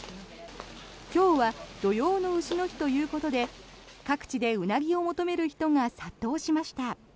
今日は土用の丑の日ということで各地でウナギを求める人が殺到しました。